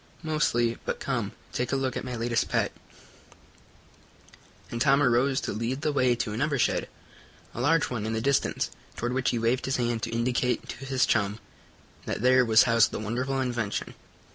"Mostly. But come, take a look at my latest pet," and Tom arose to lead the way to another shed, a large one in the distance, toward which he waved his hand to indicate to his chum that there was housed the wonderful invention.